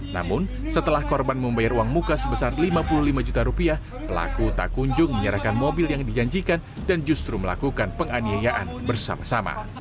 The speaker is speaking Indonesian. namun setelah korban membayar uang muka sebesar lima puluh lima juta rupiah pelaku tak kunjung menyerahkan mobil yang dijanjikan dan justru melakukan penganiayaan bersama sama